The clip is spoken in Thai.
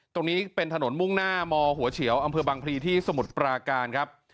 ตรงนี้เป็นถนนมุ่งหน้ามหัวเฉียวอำเภอบางพลีที่สมุทรปราการครับ